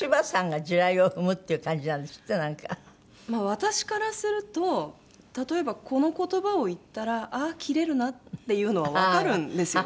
私からすると例えばこの言葉を言ったらああキレるなっていうのはわかるんですよね。